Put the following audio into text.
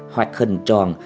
hoặc hình tròn